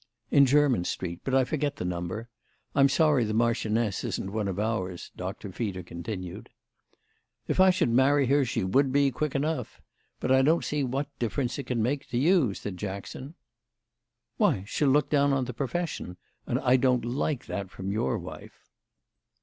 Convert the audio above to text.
"In Jermyn Street; but I forget the number. I'm sorry the marchioness isn't one of ours," Doctor Feeder continued. "If I should marry her she would be quick enough. But I don't see what difference it can make to you," said Jackson. "Why, she'll look down on the profession, and I don't like that from your wife."